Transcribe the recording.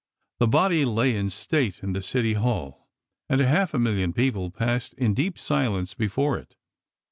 The body lay in state in the City Hall and a half million of people passed in deep silence before it.